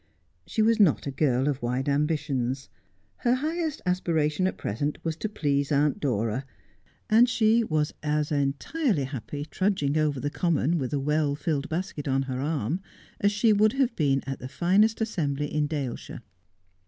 She was not a girl of wide ambitions. Her highest aspiration at present was to please Aunt Dora, and she was as entirely happy trudging over the common with a well filled basket on her arm, as she would have been at the finest assembly in Daleshire.